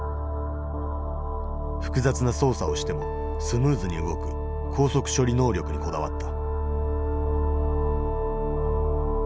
複雑な操作をしてもスムーズに動く高速処理能力にこだわった。